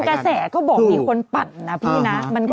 ในบางกระแสเขาบอกมีคนปั่นนะพี่นะ